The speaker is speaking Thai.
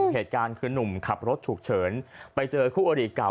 เหตุการณ์คือนุ่มขับรถฉุกเฉินไปเจอคู่อริเก่า